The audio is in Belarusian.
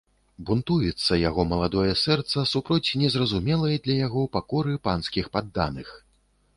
Бунтуецца яго маладое сэрца супроць незразумелай для яго пакоры панскіх падданых.